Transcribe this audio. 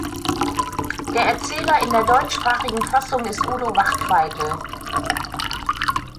Der Erzähler in der deutschsprachigen Fassung ist Udo Wachtveitl.